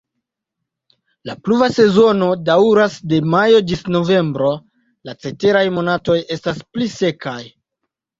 La pluva sezono daŭras de majo ĝis novembro, la ceteraj monatoj estas pli sekaj.